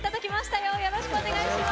よろしくお願いします。